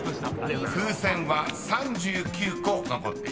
風船は３９個残っています］